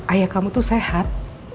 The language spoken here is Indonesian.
ayah kamu tuh sehat